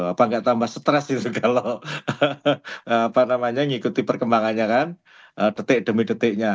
apa nggak tambah stres gitu kalau mengikuti perkembangannya kan detik demi detiknya